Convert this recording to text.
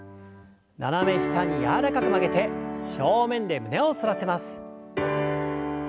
斜め下に柔らかく曲げて正面で胸を反らせます。